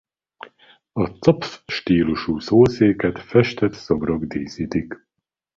A copf stílusú szószéket festett szobrok díszítik.